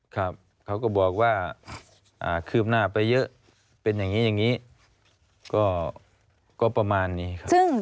ครับเขาก็บอกว่าคืบหน้าไปเยอะเป็นอย่างนี้อย่างนี้ก็ประมาณนี้ครับ